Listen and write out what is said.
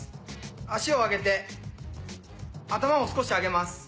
足を上げて頭も少し上げます。